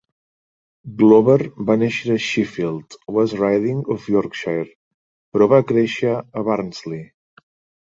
Glover va néixer a Sheffield, West Riding of Yorkshire, però va créixer a Barnsley.